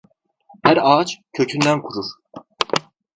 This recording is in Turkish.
Her ağaç kökünden kurur.